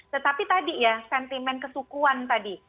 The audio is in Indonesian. tetapi tadi ya sentimen kesukuan tadi